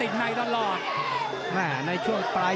ในช่วงปลายกรรมที่โอ้โหยกตรงนี้นี่แทบจะสารภาพแล้วนะ